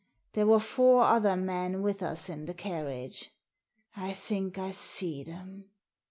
There were four other men with us in the carriage. I think I see them.